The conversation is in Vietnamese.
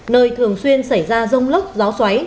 nơi thường xuyên xảy ra rông lốc gió xoáy